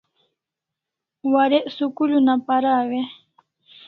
Warek school una paraw e?